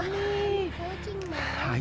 kau mau ngapain